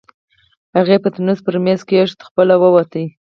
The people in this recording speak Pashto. هغې پتنوس پر مېز کېښود، خپله ووته.